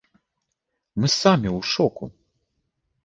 Мы самі ў шоку.